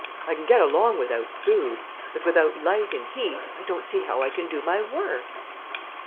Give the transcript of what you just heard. I can get along without food, but without light and heat I don't see how I can do my work."